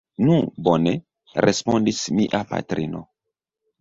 Nu, bone, respondis mia patrino.